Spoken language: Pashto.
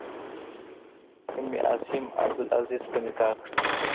ام عاصم عبدالعزیز په نکاح کړه.